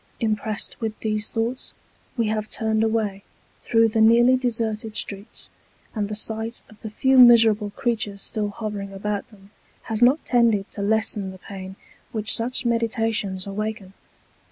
Impressed with these thoughts, we have turned away, through the nearly deserted streets ; and the sight of the few miserable creatures still hovering about them, has not tended to lessen the pain which such meditations awaken.